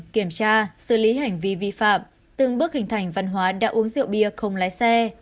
kiểm tra xử lý hành vi vi phạm từng bước hình thành văn hóa đã uống rượu bia không lái xe